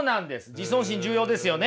自尊心重要ですよね。